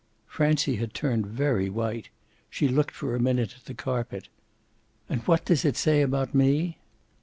Francie had turned very white; she looked for a minute at the carpet. "And what does it say about me?"